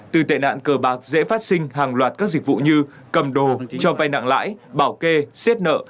từ tệ nạn cờ bạc dễ phát sinh hàng loạt các dịch vụ như cầm đồ cho vai nặng lãi bảo kê xiết nợ